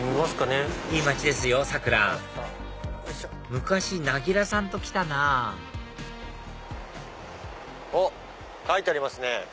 昔なぎらさんと来たなぁおっ書いてありますね。